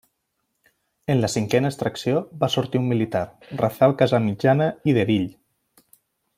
En la cinquena extracció va sortir un militar, Rafel Casamitjana i d’Erill.